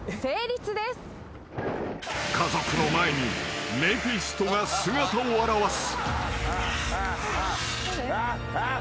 ［家族の前にメフィストが姿を現す］